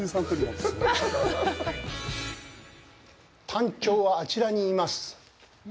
タンチョウはあちらにいます。